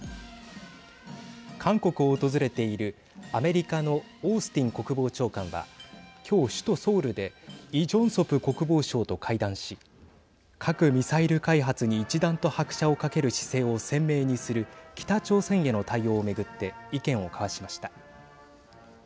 韓国を訪れているアメリカのオースティン国防長官は今日首都ソウルでイ・ジョンソプ国防相と会談し核・ミサイル開発に一段と拍車をかける姿勢を鮮明にする北朝鮮への対応を巡って意見を交わしました。